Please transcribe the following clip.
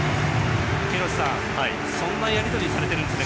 廣瀬さん、そんなやり取りがされているんですね。